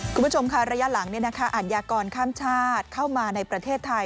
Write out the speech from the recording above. คุณผู้ชมค่ะระยะหลังอัญญากรข้ามชาติเข้ามาในประเทศไทย